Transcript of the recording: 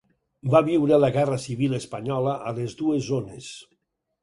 Va viure la guerra civil espanyola a les dues zones.